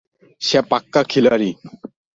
সে পাক্কা খিলাড়ি।